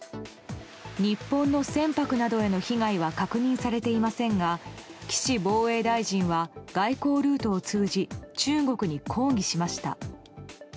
日本の船舶などへの被害は確認されていませんが岸防衛大臣は外交ルートを通じ中国に抗議しました。